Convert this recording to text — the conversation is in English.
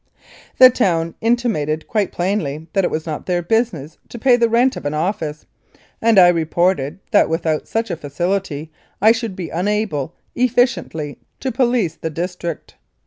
The town intimated quite plainly that it was not their business to pay the rent of an office, and I reported that without such a facility I should be unable efficiently to police the district.